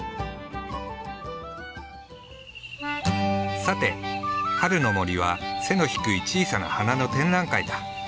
さて春の森は背の低い小さな花の展覧会だ。